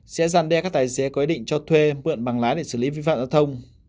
sẽ gian đe các tài xế có ý định cho thuê mượn bằng lái để xử lý vi phạm giao thông